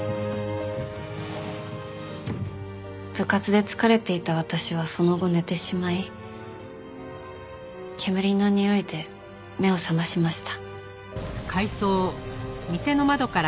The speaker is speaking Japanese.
部活で疲れていた私はその後寝てしまい煙のにおいで目を覚ましました。